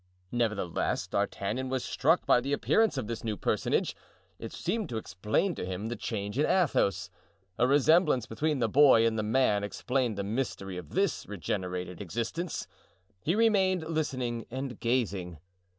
Nevertheless, D'Artagnan was struck by the appearance of this new personage. It seemed to explain to him the change in Athos; a resemblance between the boy and the man explained the mystery of this regenerated existence. He remained listening and gazing.